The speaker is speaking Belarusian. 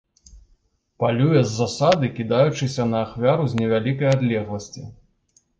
Палюе з засады кідаючыся на ахвяру з невялікай адлегласці.